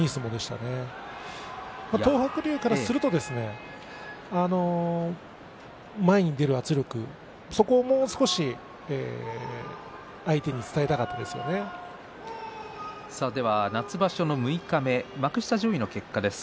東白龍からすると前に出る圧力、そこをもう少し夏場所の六日目幕下上位の結果です。